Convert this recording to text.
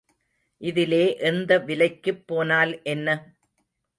இதிலே எந்த விலைக்குப் போனால் என்ன?